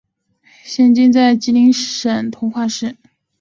现今在吉林省通化市辉南县里还可以见到辉发古城的遗址。